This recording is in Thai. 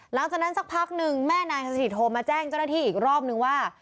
สักพักหนึ่งแม่นายสถิตโทรมาแจ้งเจ้าหน้าที่อีกรอบนึงว่า